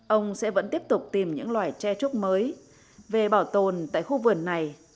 ông sẽ vẫn tiếp tục tìm những loài tre trúc mới về bảo tồn tại khu vườn này